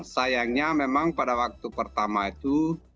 sayangnya memang pada waktu pertama itu